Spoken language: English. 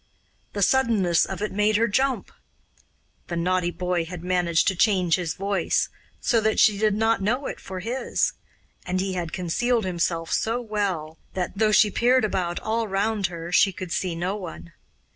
The suddenness of it made her jump. The naughty boy had managed to change his voice, so that she did not know it for his, and he had concealed himself so well that, though she peered about all round her, she could see no one.